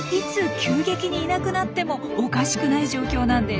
急激にいなくなってもおかしくない状況なんです。